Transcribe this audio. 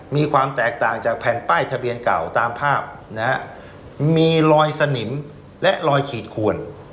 มีความแตกต่างจากแผ่นป้ายทะเบียนเก่าตามภาพนะฮะมีรอยสนิมและลอยขีดขวน